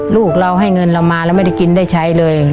ลูกเราให้เงินเรามาแล้วไม่ได้กินได้ใช้เลย